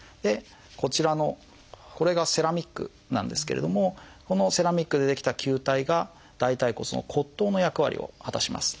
こちらのこれがセラミックなんですけれどもこのセラミックで出来た球体が大腿骨の骨頭の役割を果たします。